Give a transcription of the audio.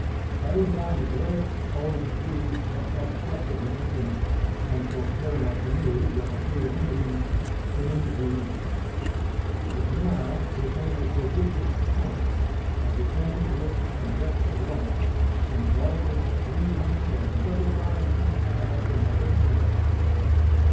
Cutting down the great, old trees that obstructed the entrance, and procuring a canoe with a crew of Indians, in he went. The canal became a prodigious tunnel, of the same width and depth of water, and vaulted three hundred and thirty five feet high in the living rock.